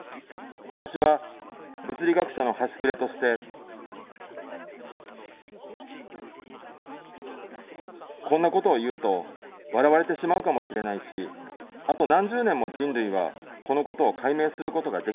私は、物理学者の端くれとして、こんなことを言うと笑われてしまうかもしれないし、あと何十年も人類は、このことを解明することができないだろう。